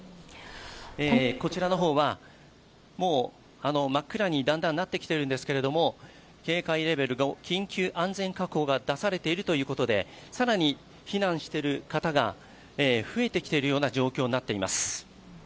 こちらの方はもう真っ暗になってきているんですけども、警戒レベル５、緊急安全確保が出されているということで更に避難している方が増えてきているような状況になってきています。